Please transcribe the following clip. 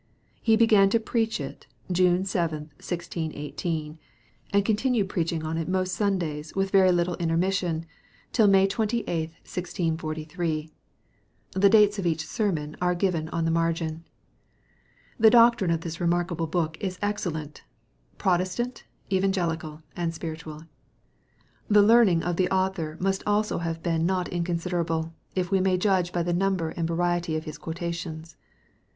He began to preach on it, June 7th, 1618, and continued preaching on it most Sundays with very little intermission * It is needless to repeat their names. VI PREFACE. till May 28, 1643. The dates of each sermon are given on the margin. The doctrine of this remarkable book is excellent Prot estant, evangelical, and spiritual. The learning of the au thor must also have been not inconsiderable, if we may iudge by the number and variety of his quotations.